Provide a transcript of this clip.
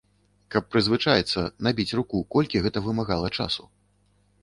Каб прызвычаіцца, набіць руку, колькі гэта вымагала часу?!